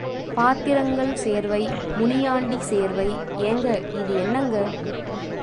பாத்திரங்கள் சேர்வை, முனியாண்டி சேர்வை ஏங்க, இது என்னங்க.